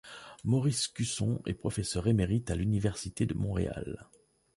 Maurice Cusson est professeur émérite à l'Université de Montréal.